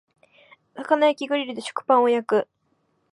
魚焼きグリルで食パンを焼く